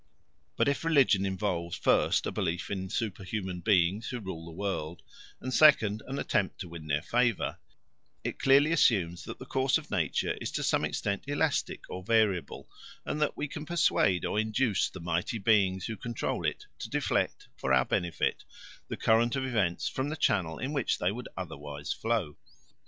But if religion involves, first, a belief in superhuman beings who rule the world, and, second, an attempt to win their favour, it clearly assumes that the course of nature is to some extent elastic or variable, and that we can persuade or induce the mighty beings who control it to deflect, for our benefit, the current of events from the channel in which they would otherwise flow.